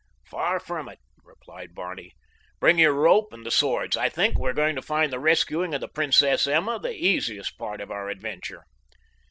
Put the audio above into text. "Far from it," replied Barney. "Bring your rope and the swords. I think we are going to find the rescuing of the Princess Emma the easiest part of our adventure."